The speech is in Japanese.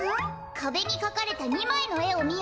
「かべにかかれた２まいのえをみよ。